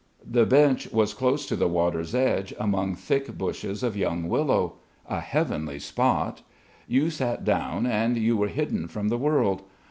The bench was close to the water's edge, among thick bushes of young willow. A heavenly spot! You sat down, and you were hidden from the world.